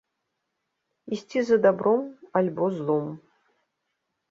Ісці за дабром, альбо злом.